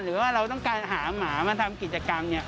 หรือว่าเราต้องการหาหมามาทำกิจกรรมเนี่ย